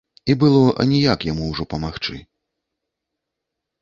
І было аніяк яму ўжо памагчы.